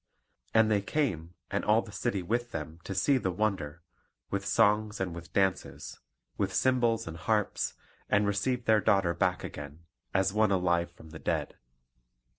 And they came, and all the city with them, to see the wonder, with songs and with dances, with cymbals and harps, and received their daughter back again, as one alive from the dead.